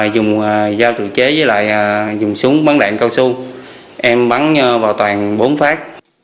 dùng dao tự chế với lại dùng súng bắn đạn cao su em bắn vào toàn bốn phát